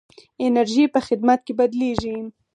انرژي په خدمت کې بدلېږي.